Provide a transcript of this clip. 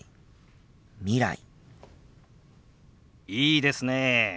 いいですねえ。